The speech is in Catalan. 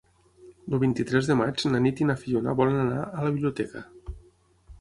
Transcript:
El vint-i-tres de maig na Nit i na Fiona volen anar a la biblioteca.